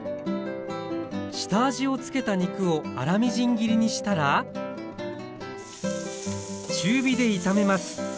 下味をつけた肉を粗みじん切りにしたら中火で炒めます。